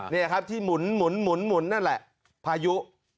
นี่ครับที่หมุนนั่นแหละพายุ